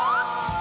あ！